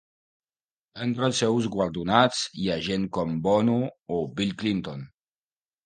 Entre els seus guardonats hi ha gent com Bono o Bill Clinton.